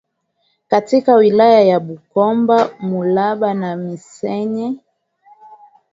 katika wilaya za Bukoba Muleba na Missenyi